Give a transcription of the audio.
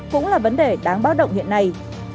cũng là vấn đề đáng báo động hiện nay